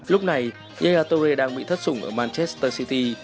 lúc này nga yaya touré đang bị thất sủng ở manchester city